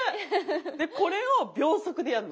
でこれを秒速でやんの。